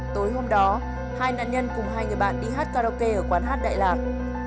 tối hôm đó hai nạn nhân cùng hai người bạn đi hát karaoke ở quán hát đại lạc